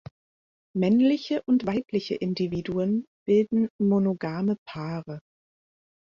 Männliche und weibliche Individuen bilden monogame Paare.